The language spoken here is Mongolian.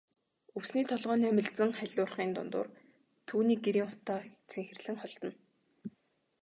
Өвсний толгой намилзан халиурахын дундуур түүний гэрийн утаа цэнхэрлэн холдоно.